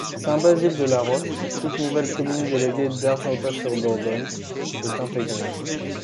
Saint-Bazile-de-la-Roche, toute nouvelle commune déléguée d'Argentat-sur-Dordogne, est intégrée.